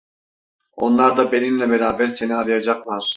Onlar da benimle beraber seni arayacaklar.